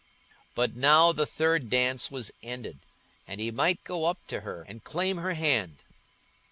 But now the third dance was ended, and he might go up to her and claim her hand.